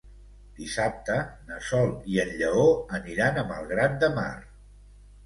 Dissabte na Sol i en Lleó aniran a Malgrat de Mar.